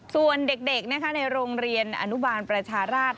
ส่วนเด็กในโรงเรียนอนุบาลประชาราช